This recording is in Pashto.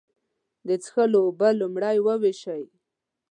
د څښلو اوبه لومړی وېشوئ.